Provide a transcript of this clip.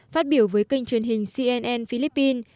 phát biểu với kênh truyền hình cnn philippines